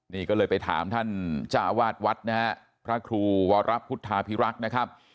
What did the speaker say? นี่ก็เลยไปถามท่านจ้าวาดวัดนะฮะพระครูวรพุทธาพิรักษ์นะครับ